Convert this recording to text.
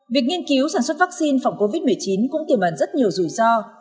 việc nghiên cứu sản xuất vắc xin phòng covid một mươi chín cũng tiềm ẩn rất nhiều rủi ro